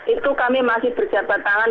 itu kami masih berjabat tangan